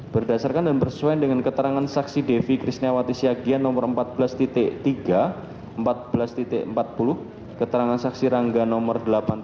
berdasarkan dan bersuaian dengan keterangan saksi devi krisnawati siagian nomor empat belas tiga empat belas empat puluh keterangan saksi rangga nomor delapan belas